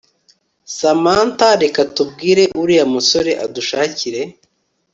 Samantha reka tubwire uriya musore adushakire